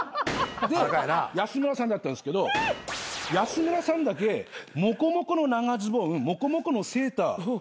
で安村さんだったんですけど安村さんだけもこもこの長ズボンもこもこのセーター。